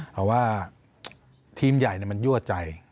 เพราะว่าทีมใหญ่มันยั่วใจ